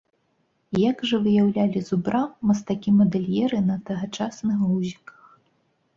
Як жа выяўлялі зубра мастакі-мадэльеры на тагачасных гузіках?